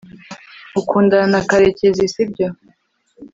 ukundana na karekezi, sibyo